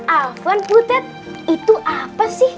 alfon putet itu apa sih